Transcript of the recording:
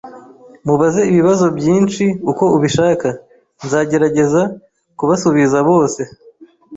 Mubaze ibibazo byinshi uko ubishaka. Nzagerageza kubasubiza bose